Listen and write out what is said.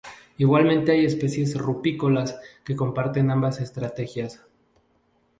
Igualmente hay especies rupícolas que comparten ambas estrategias.